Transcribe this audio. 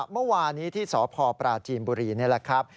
เมื่อวานี้ที่สพปราจีนบุรีนี่แหละครับ